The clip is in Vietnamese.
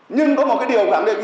nhưng có một cái điều khẳng định gì